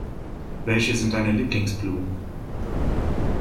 Welche sind deine Lieblingsblumen?